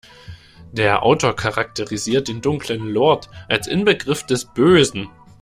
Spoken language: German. Der Autor charakterisiert den dunklen Lord als Inbegriff des Bösen.